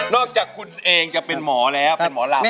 นอกจากคุณเองจะเป็นหมออะไรครับเป็นหมอรับ